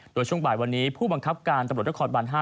โดยช่วงบ่ายวันนี้ผู้บังคับการตำรวจนครบัน๕